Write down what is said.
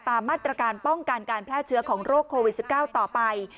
ตามมาตรการป้องกันการแพร่เชื้อของโรคโควิด๑๙ต่อไป